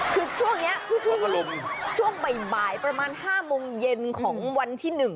คือช่วงนี้คือช่วงบ่ายประมาณ๕โมงเย็นของวันที่๑